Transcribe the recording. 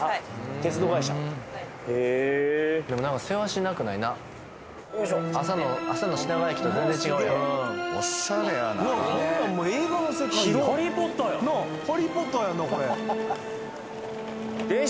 鉄道会社へえーでもなんかせわしなくないな朝の朝の品川駅と全然違うやんオシャレやなこんなんもう映画の世界やんハリーなあハリー・ポッターやんなこれうわ